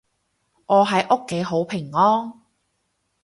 我喺屋企好平安